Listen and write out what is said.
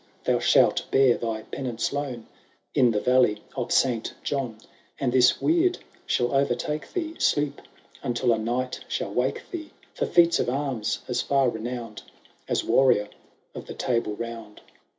Thou shalt bear thy penance lone In the valley of Saint John, And this weird ^ shall overtake thee ; Sleep, until a knight shall wake thee. For feats of arms as &r renowned As warrior of the Table Round.